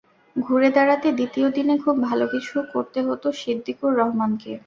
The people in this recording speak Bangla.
ঘুরে দাঁড়াতে দ্বিতীয় দিনে খুব ভালো কিছু করতে হতো সিদ্দিকুর রহমানকে।